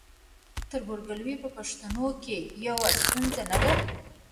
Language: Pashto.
آیا تربورګلوي په پښتنو کې یوه ستونزه نه ده؟